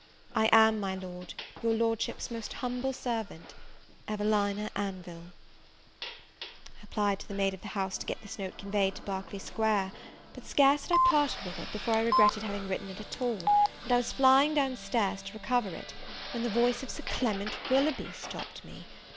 I am, my Lord, "Your Lordship's most Humble servant, "EVELINA ANVILLE." I applied to the maid of the house to get this note conveyed to Berkley square; but scarce had I parted with it, before I regretted having written at all; and I was flying down stairs to recover it, when the voice of Sir Clement Willoughby stopped me.